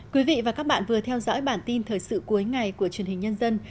quý vị và các bạn vừa theo dõi bản tin thời sự cuối ngày của truyền hình nhân dân